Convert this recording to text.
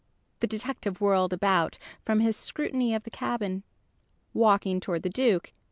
The detective whirled about, from his scrutiny of the cabin, walking toward the Duke.